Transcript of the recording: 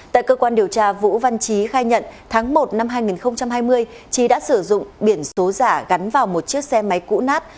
tại cơ quan điều tra vũ văn trí khai nhận tháng một năm hai nghìn hai mươi trí đã sử dụng biển số giả gắn vào một chiếc xe máy cũ nát